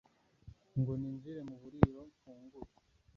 ngo ninjire m'uburiro mfungure